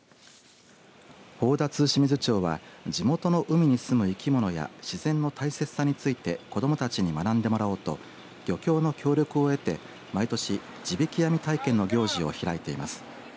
宝達志水町は地元の海にすむ生き物や自然の大切さについて子どもたちに学んでもらおうと漁協の協力を得て毎年、地引き網体験の行事を開いています。